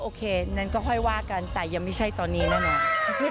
โอเคงั้นก็ค่อยว่ากันแต่ยังไม่ใช่ตอนนี้แน่นอน